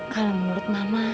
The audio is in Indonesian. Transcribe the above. kalau menurut mama